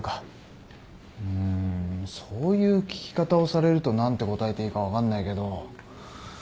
うーんそういう聞き方をされると何て答えていいか分かんないけど。